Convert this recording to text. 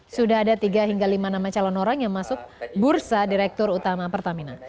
sudah ada tiga hingga lima nama calon orang yang masuk bursa direktur utama pertamina